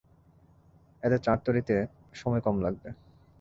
এতে চার্ট তৈরিতে সময় কম লাগবে।